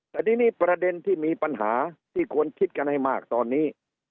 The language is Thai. แต่ทีนี้ประเด็นที่มีปัญหาที่ควรคิดกันให้มากตอนนี้